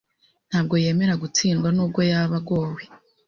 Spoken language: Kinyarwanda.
ntabwo yemera gutsindwa nubwo yaba agowe